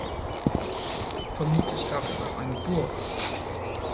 Vermutlich gab es auch eine Burg.